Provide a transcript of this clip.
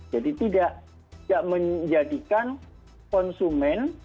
jadi tidak menjadikan konsumen